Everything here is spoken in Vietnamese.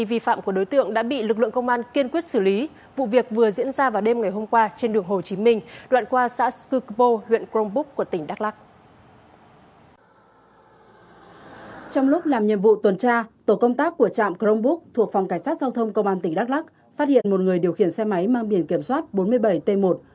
trạm kronbuk thuộc phòng cảnh sát giao thông công an tỉnh đắk lắc phát hiện một người điều khiển xe máy mang biển kiểm soát bốn mươi bảy t một bảy nghìn chín trăm ba mươi bảy